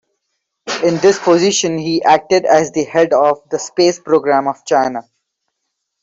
In this position he acted as the head of the space program of China.